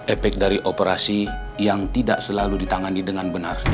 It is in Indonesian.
efek dari operasi yang tidak selalu ditangani dengan benar